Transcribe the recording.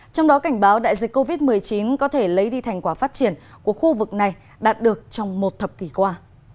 trong đó cảnh báo đại dịch covid một mươi chín có thể lấy đi thành quả phát triển của khu vực này đạt được trong một thập kỷ qua